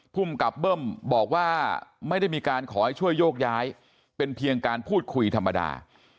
ภูมิกับเบิ้มบอกว่าไม่ได้มีการขอให้ช่วยโยกย้ายเป็นเพียงการพูดคุยธรรมดา